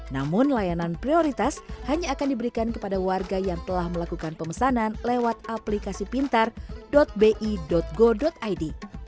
namun layanan prioritas hanya akan diberikan kepada warga yang telah melakukan pemesanan lewat aplikasi pintar bi go id